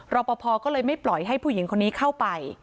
รอปภก็เลยไม่ปล่อยให้ผู้หญิงคนนี้เข้าไป